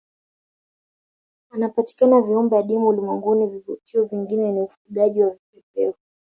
Wanapatikana viumbe adimu ulimwenguni vivutio vingine ni ufugaji wa vipepeo